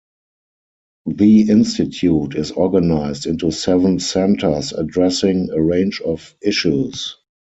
The Institute is organized into seven centers addressing a range of issues.